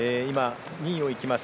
２位をいきます